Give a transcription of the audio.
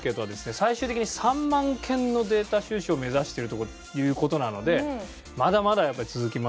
最終的に３万件のデータ収集を目指しているということなのでまだまだ続きますよ。